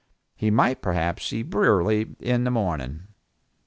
He might perhaps see Brierly in the morning.